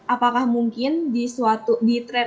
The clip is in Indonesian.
apakah mungkin di tren